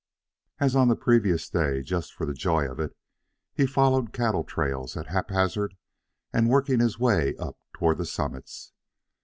As on the previous day, just for the joy of it, he followed cattle trails at haphazard and worked his way up toward the summits.